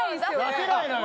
出せないのよ。